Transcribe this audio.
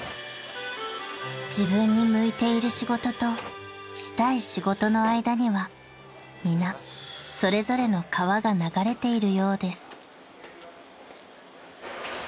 ［自分に向いている仕事としたい仕事の間には皆それぞれの川が流れているようです］